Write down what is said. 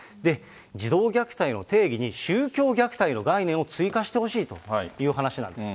児童虐待の定義に宗教虐待の概念を追加してほしいという話なんです。